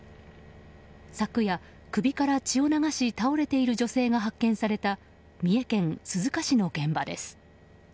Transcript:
昨夜、首から血を流し倒れている女性が発見された三重県鈴鹿市の現場です。